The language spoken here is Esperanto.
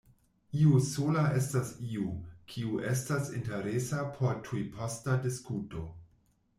Iu sola estas iu, kiu estas interesa por tujposta diskuto.